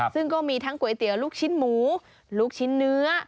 ซึ่งก็มีทั้งก๋วยเตี๋ยวลูกชิ้นหมูลูกชิ้นเนื้อ